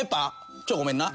「ちょいごめんな。